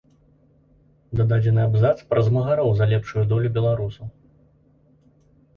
Дададзены абзац пра змагароў за лепшую долю беларусаў.